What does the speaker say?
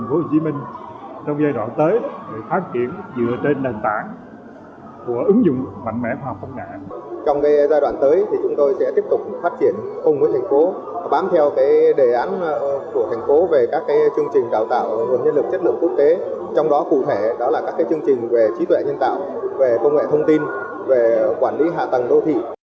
hướng nhân lực chất lượng quốc tế trong đó cụ thể đó là các chương trình về trí tuệ nhân tạo về công nghệ thông tin về quản lý hạ tầng đô thị